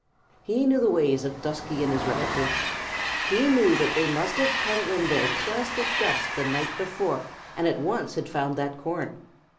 He knew the ways of Dusky and his relatives. He knew that they must have come in there just at dusk the night before and at once had found that corn.